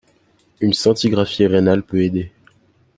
Une scintigraphie rénale peut aider.